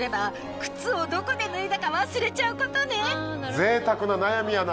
ぜいたくな悩みやな。